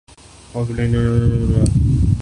house effect کو نبات خانہ کا اثر